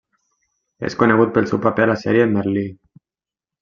És conegut pel seu paper a la sèrie Merlí.